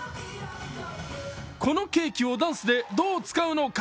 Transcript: このケーキをダンスでどう使うのか。